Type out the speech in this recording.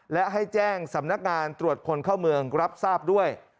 และให้แจ้งสำนักงานตรวจคนเข้าเมืองรับทราบด้วย